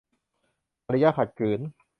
อารยะขัดขืน